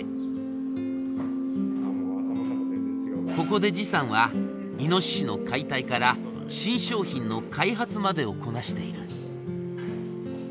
ここでさんはイノシシの解体から新商品の開発までをこなしている。